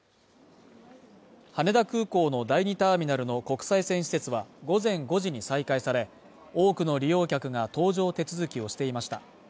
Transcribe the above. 羽田空港の第２ターミナルの国際線施設は、午前５時に再開され、多くの利用客が搭乗手続きをしていました。